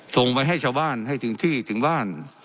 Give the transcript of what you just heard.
ส่งไปให้ชาวบ้านให้ถึงที่ถึงบ้าน